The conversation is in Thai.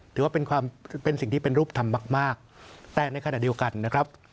ถือว่าเป็นสิ่งที่เป็นรูปธรรมมากแต่ในขณะเดียวกันนะครับ